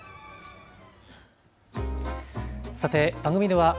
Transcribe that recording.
さて番組では＃